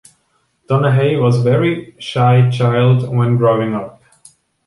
Donahey was a very shy child when growing up.